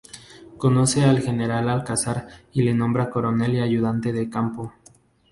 Conoce al General Alcázar y le nombra coronel y ayudante de campo.